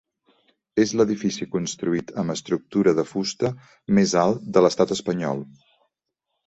És l'edifici construït amb estructura de fusta més alt de l'estat espanyol.